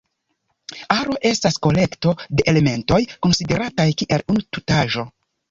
Aro estas kolekto de elementoj konsiderataj kiel unu tutaĵo.